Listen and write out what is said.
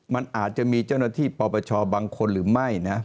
มันอาจจะมีเจ้าหน้าที่ปปชบางคนหรือไม่นะ